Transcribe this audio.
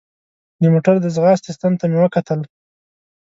د موټر د ځغاستې ستن ته مې وکتل.